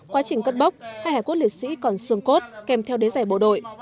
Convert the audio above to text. quá trình cất bốc hai hải quốc liệt sĩ còn xương cốt kèm theo đế rẻ bộ đội